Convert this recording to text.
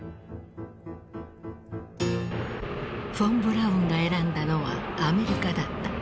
フォン・ブラウンが選んだのはアメリカだった。